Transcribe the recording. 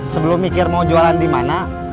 sebelum mikir mau jualan dimana